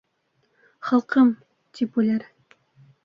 «Халҡым» тип үлер.